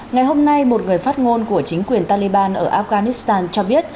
ngày hôm nay một người phát ngôn của chính quyền taliban ở afghanistan cho biết